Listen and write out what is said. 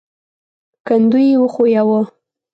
کندو يې وښوياوه.